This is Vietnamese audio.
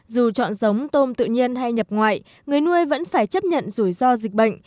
dù chọn giống tôm tự nhiên hay nhập ngoại người nuôi vẫn phải chấp nhận rủi ro dịch bệnh